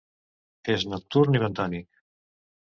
És nocturn i bentònic.